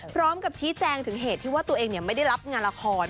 พร้อมกับชี้แจงถึงเหตุที่ว่าตัวเองไม่ได้รับงานละคร